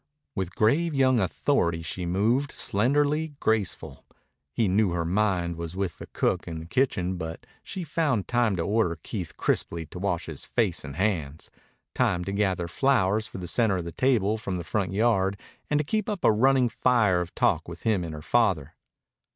With grave young authority she moved, slenderly graceful. He knew her mind was with the cook in the kitchen, but she found time to order Keith crisply to wash his face and hands, time to gather flowers for the center of the table from the front yard and to keep up a running fire of talk with him and her father.